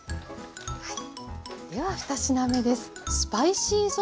では２品目です。